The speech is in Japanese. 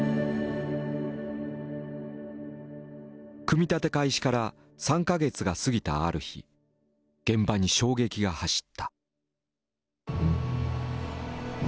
組み立て開始から３か月が過ぎたある日現場に衝撃が走った。